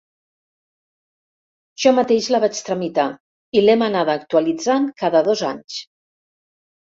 Jo mateix la vaig tramitar i l'hem anada actualitzant cada dos anys.